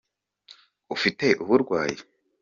ufite uburwayi